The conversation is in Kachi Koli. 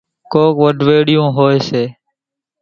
ڪونئين وڍويڙِيئون هوئيَ سي۔